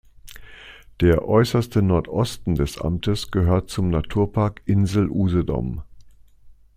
Der äußerste Nordosten des Amtes gehört zum Naturpark Insel Usedom.